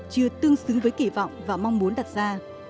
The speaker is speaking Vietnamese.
chưa tương xứng với kỳ vọng và mong muốn đặt ra